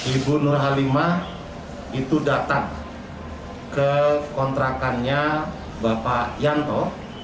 ibu nur halimah itu datang ke kontrakannya bapak yanto